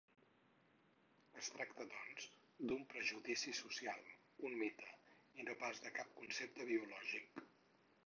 Es tracta, doncs, d'un prejudici social, un mite, i no pas de cap concepte biològic.